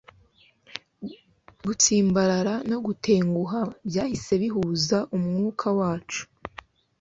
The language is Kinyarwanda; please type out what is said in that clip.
gutsimbarara no gutenguha byahise bihuza umwuka wacu